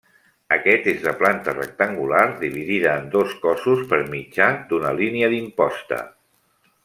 Aquest és de planta rectangular dividida en dos cossos per mitjà d'una línia d'imposta.